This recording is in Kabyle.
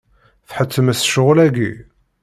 Tḥettem-as ccɣel-agi.